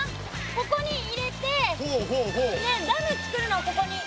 ここに入れてダムつくるのここに。